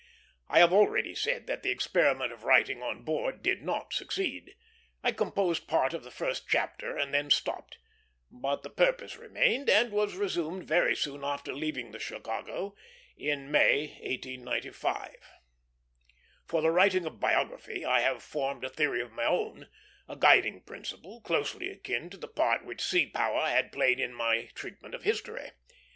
I have already said that the experiment of writing on board did not succeed. I composed part of the first chapter and then stopped; but the purpose remained, and was resumed very soon after leaving the Chicago, in May, 1895. For the writing of biography I had formed a theory of my own, a guiding principle, closely akin to the part which sea power had played in my treatment of history.